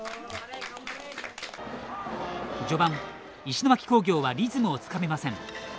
序盤石巻工業はリズムをつかめません。